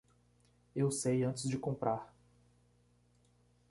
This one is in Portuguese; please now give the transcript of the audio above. Eu sei antes de comprar.